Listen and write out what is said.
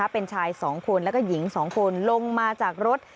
เป็นชาย๒คนแล้วก็หญิง๒คนลงมาจากรถ